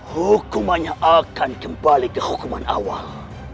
hukumannya akan kembali ke hukuman awal